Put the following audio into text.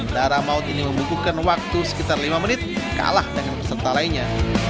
dara maut ini membutuhkan waktu sekitar lima menit kalah dengan peserta lainnya